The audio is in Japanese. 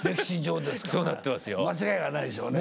間違いがないでしょうね。